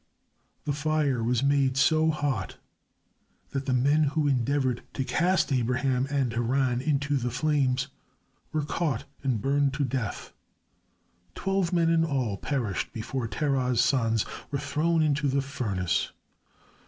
The fire was made so hot that the men who endeavored to cast Abraham and Haran into the flames were caught and burned to death. Twelve men in all perished before Terah's sons were thrown into the furnace.